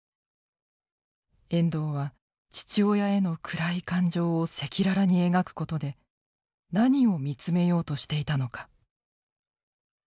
遠藤は父親への暗い感情を赤裸々に描くことで何を見つめようとしていたのか。